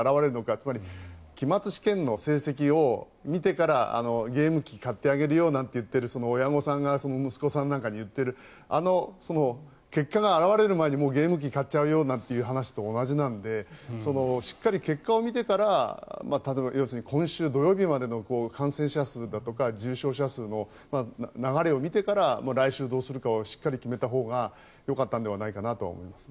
つまり期末試験の成績を見てからゲーム機を買ってあげるよなんて言っている親御さんが息子さんなんかに言っているあの結果が表れる前にゲーム機買っちゃうよなんていう話と同じなのでしっかり結果を見てから要するに今週土曜日までの感染者数だとか重症者数の流れを見てから来週どうするかをしっかり決めたほうがよかったのではないかなと思います。